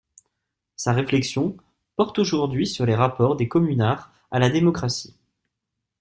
Sa réflexion porte aujourd'hui sur le rapport des communards à la démocratie.